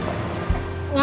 kau royal mewetel ya